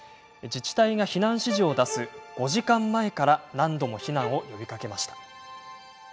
自治体が避難指示を出す５時間前から何度も避難を呼びかけました。